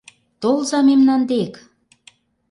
Толза мемнан дек!